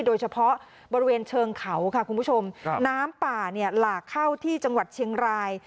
โดยเฉพาะบริเวณเชิงเขาค่ะคุณผู้ชมน้ำป่าเนี่ยหลากเข้าที่จังหวัดเชียงราย